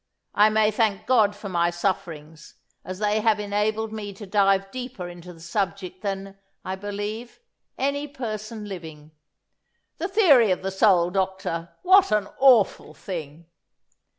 I may thank God for my sufferings, as they have enabled me to dive deeper into the subject than, I believe, any person living. The theory of the soul, doctor, what an awful thing!